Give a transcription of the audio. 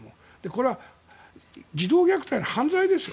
これは児童虐待の犯罪ですよ